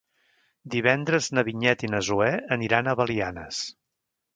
Divendres na Vinyet i na Zoè aniran a Belianes.